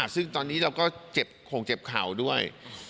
ซึ่งตอนนี้เราก็เจ็บโข่งเจ็บเข่าด้วย